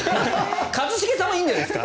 一茂さんはいいんじゃないですか？